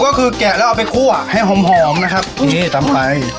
ก็คือแกะแล้วเอาไปคั่วให้หอมหอมนะครับนี่ตำไป